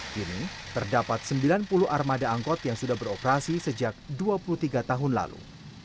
kini terdapat sembilan puluh armada angkot yang sudah beroperasi sejak dua puluh tiga tahun lalu